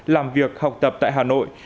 làm việc học tập tại hà nội